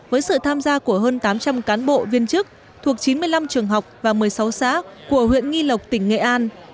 với sự tham gia của hơn tám trăm linh cán bộ viên chức thuộc chín mươi năm trường học và một mươi sáu xã của huyện nghi lộc tỉnh nghệ an